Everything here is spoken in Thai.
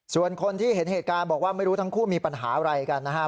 ส่วนคนที่เห็นเหตุการณ์บอกว่าไม่รู้ทั้งคู่มีปัญหาอะไรกันนะฮะ